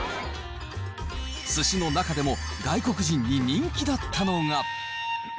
すしの中でも、外国人に人気だったのが。